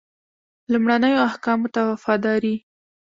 لومړنیو احکامو ته وفاداري.